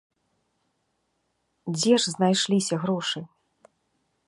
Дзе ж знайшліся грошы?